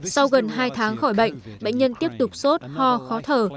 sau gần hai tháng khỏi bệnh bệnh nhân tiếp tục sốt ho khó thở